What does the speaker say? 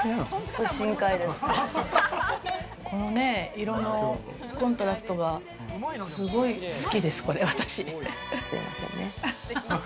このね、色のコントラストがすごい好きです、これ私。